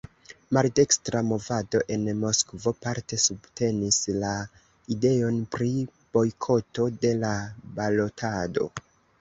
Maldekstra movado en Moskvo parte subtenis la ideon pri bojkoto de la balotado.